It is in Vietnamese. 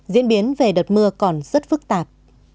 diễn biến về đợt mưa còn rất phức tạp